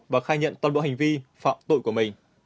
và khai nhận toàn bộ hành vi phạm tội của mình